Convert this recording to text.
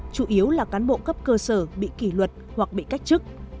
chủ yếu là cán bộ cấp cơ sở bị kỷ luật hoặc bị cách chức